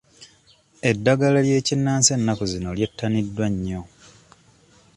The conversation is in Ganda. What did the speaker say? Eddagala ly'ekinnansi ennaku zino lyettaniddwa nnyo.